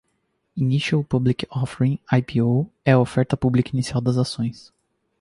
Initial Public Offering (IPO) é a oferta pública inicial de ações.